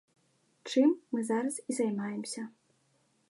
Чым мы зараз і займаемся.